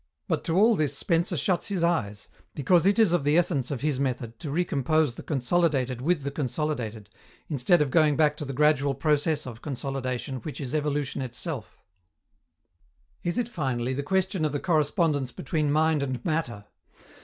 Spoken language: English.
But to all this Spencer shuts his eyes, because it is of the essence of his method to recompose the consolidated with the consolidated, instead of going back to the gradual process of consolidation, which is evolution itself. Is it, finally, the question of the correspondence between mind and matter?